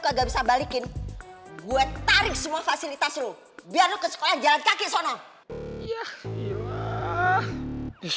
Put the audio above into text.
kagak bisa balikin gue tarik semua fasilitas lu biar lu ke sekolah jalan kaki sono ya